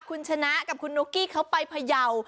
คุณชนะกับคุณนุ๊กกี้เขาไปพยาว